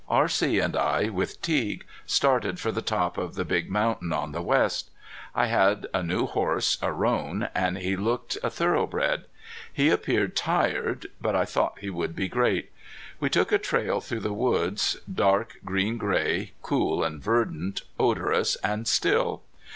R.C. and I, with Teague, started for the top of the big mountain on the west. I had a new horse, a roan, and he looked a thoroughbred. He appeared tired. But I thought he would be great. We took a trail through the woods, dark green gray, cool and verdant, odorous and still.